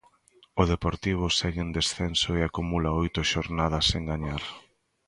O Deportivo segue en descenso e acumula oito xornadas sen gañar.